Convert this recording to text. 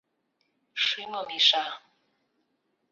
Шӱмым иша...